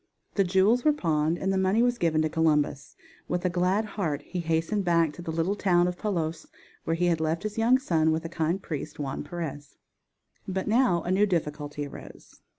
The jewels were pawned and the money was given to Columbus. With a glad heart he hastened back to the little town of Palos where he had left his young son with the kind priest Juan Perez. But now a new difficulty arose.